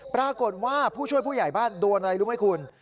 ปรากฏว่าผู้ช่วยผู้ใหญ่บ้านโดนอะไรรู้ไหมคุณ